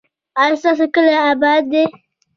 ایا ستاسو کلی اباد دی؟